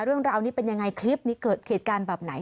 เรื่องราวนี้เป็นยังไงคลิปนี้เกิดเหตุการณ์แบบไหน